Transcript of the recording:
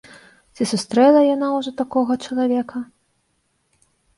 Ці сустрэла яна ўжо такога чалавека?